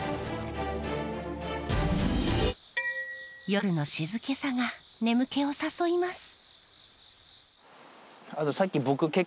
夜の静けさが眠気を誘います。